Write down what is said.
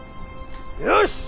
よし！